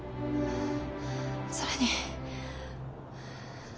それに。